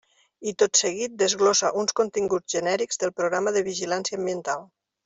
I tot seguit desglossa uns continguts genèrics del Programa de Vigilància Ambiental.